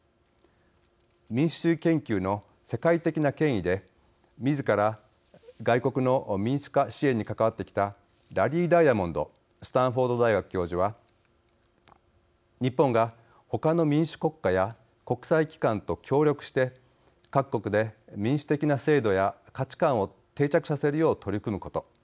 民主主義研究の世界的な権威でみずから外国の民主化支援に関わってきたラリー・ダイアモンド・スタンフォード大学教授は日本が他の民主国家や国際機関と協力して、各国で民主的な制度や価値観を定着させるよう取り組むこと。